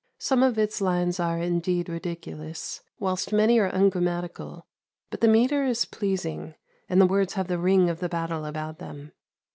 Some of its lines are, indeed, ridi culous, whilst many are ungrammatical, but the metre is pleasing, and the words have the ring of the battle about them.